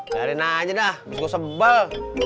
biarin aja dah abis gua sebel